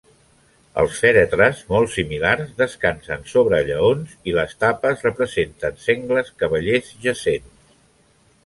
Els fèretres, molt similars, descansen sobre lleons i les tapes representen sengles cavallers jacents.